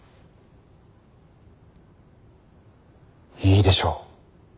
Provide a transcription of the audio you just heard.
いいでしょう。